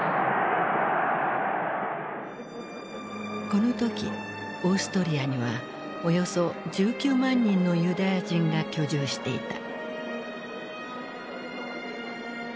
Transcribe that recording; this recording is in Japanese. この時オーストリアにはおよそ１９万人のユダヤ人が居住していた。